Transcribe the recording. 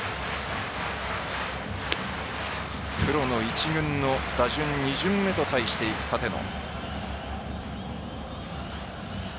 プロの一軍の打順２巡目と対していく立野。